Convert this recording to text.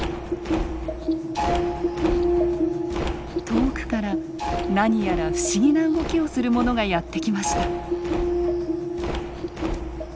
遠くから何やら不思議な動きをするものがやって来ました。